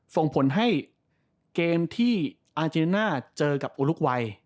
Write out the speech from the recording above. ส่งผลให้เกมที่อาเจริน่าเจอกับอุลุกวัย